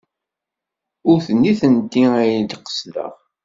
Ur d nitenti ay d-qesdeɣ.